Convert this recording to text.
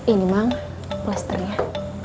ini mak plesternya